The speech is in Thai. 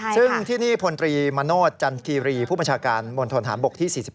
ซึ่งที่นี่พลตรีมโนธจันกีรีผู้บัญชาการมณฑนฐานบกที่๔๑